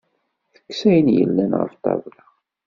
Tekkes ayen yellan ɣef ṭṭabla.